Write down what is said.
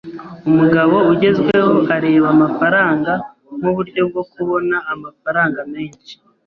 Umugabo ugezweho areba amafaranga nkuburyo bwo kubona amafaranga menshi